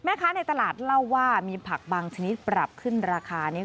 ในตลาดเล่าว่ามีผักบางชนิดปรับขึ้นราคานี้